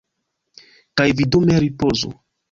Kaj vi dume ripozu.